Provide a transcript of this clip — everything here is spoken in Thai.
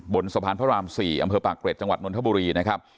บนสะพานพระราม๔อำเภอปากเกร็จจังหวัดนทบุรีนะครับ